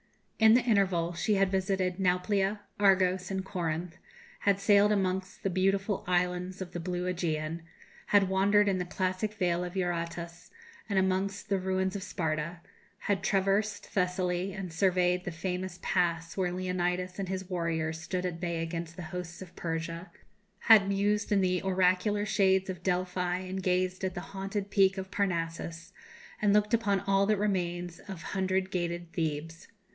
In the interval she had visited Nauplia, Argos, and Corinth; had sailed amongst the beautiful islands of the blue Ægean; had wandered in the classic vale of Eurotas, and amongst the ruins of Sparta; had traversed Thessaly, and surveyed the famous Pass where Leonidas and his warriors stood at bay against the hosts of Persia; had mused in the oracular shades of Delphi and gazed at the haunted peak of Parnassus, and looked upon all that remains of hundred gated Thebes.